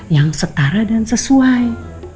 yang setara dan sesuai